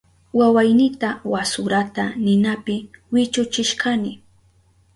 Wawaynita wasurata ninapi wichuchishkani.